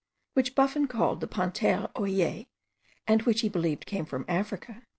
which Buffon called panthere oillee, and which he believed came from Africa.)